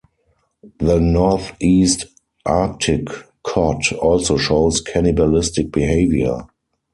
The northeast Arctic cod also show cannibalistic behaviour.